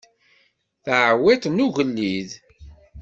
Taɛwiṭ n ugellid.